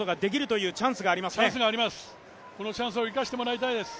このチャンスを生かしてもらいたいです。